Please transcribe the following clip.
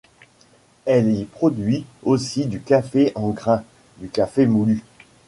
Elle y produit aussi du café en grains, du café moulu.